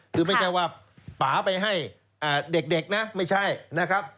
คือไม่ใช่ว่าป่าไปให้เด็กนะไม่ใช่นะครับ